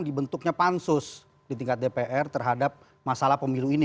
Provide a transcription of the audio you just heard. dibentuknya pansus di tingkat dpr terhadap masalah pemilu ini